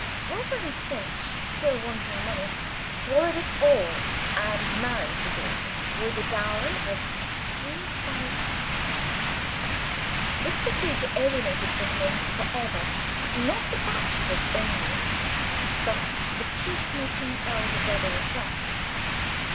Reverend Finch, still wanting money, swallowed it all; and married the daughter, with a dowry of three thousand pounds. This proceeding alienated from him for ever, not the Batchfords only, but the peacemaking elder brother as well.